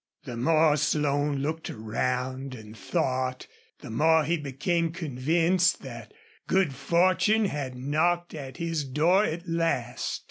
The more Slone looked around and thought, the more he became convinced that good fortune had knocked at his door at last.